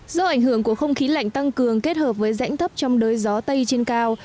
do ảnh hưởng của không khí lạnh tăng cường kết hợp với rãnh thấp trong đới gió tây trên cao